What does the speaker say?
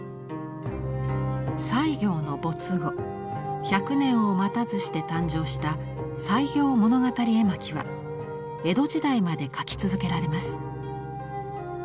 西行の没後１００年を待たずして誕生した「西行物語絵巻」は江戸時代まで描き続けられます。